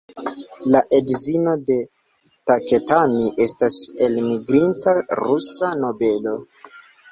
La edzino de Taketani estas elmigrinta rusa nobelo.